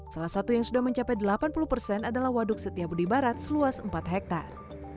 salah satu yang sudah mencapai delapan puluh persen adalah waduk setiabudi barat seluas empat hektare